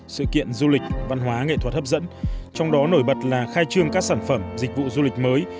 sự kiện du lịch văn hóa nghệ thuật hấp dẫn trong đó nổi bật là khai trương các sản phẩm dịch vụ du lịch mới